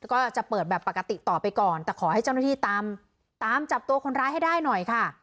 ก็จะเปิดแบบปกติต่อไปก่อนแต่ขอให้เจ้าหน้าที่ตามตามจับตัวคนร้ายให้ได้หน่อยค่ะ